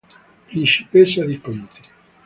Principessa di Conti